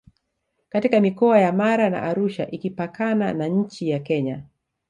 katika mikoa ya Mara na Arusha ikipakana na nchi ya Kenya